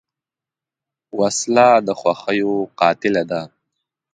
وسله د خوښیو قاتله ده